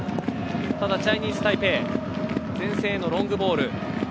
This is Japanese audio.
ただチャイニーズタイペイ前線へのロングボール。